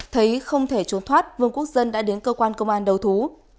thấy không thể trốn thoát vương quốc dân đã đến cơ quan công an đầu thú